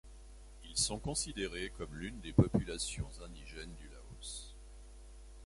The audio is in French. Ils sont considérés comme l'une des populations indigènes du Laos.